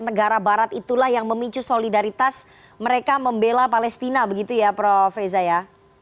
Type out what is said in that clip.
negara barat itulah yang memicu solidaritas mereka membela palestina begitu ya prof reza ya